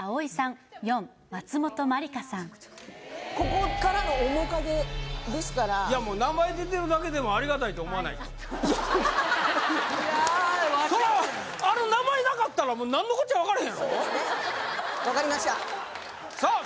ここからの面影ですからもう名前出てるだけでもありがたいと思わないとそうですね分かりましたさあ